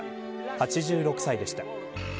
８６歳でした。